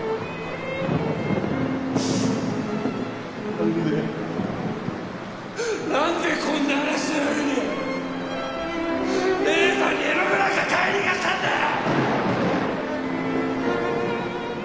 なんでなんでこんな嵐の夜に姉さんに絵の具なんか買いに行かせたんだよ！